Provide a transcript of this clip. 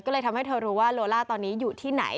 ก็เลยทำให้เธอรู้ว่าโลล่าตอนนี้อยู่ที่ไหน